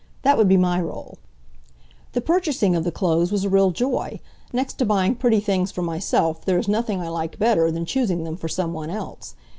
That would be my role. The purchasing of the clothes was a real joy. Next to buying pretty things for myself there is nothing I like better than choosing them for some one else.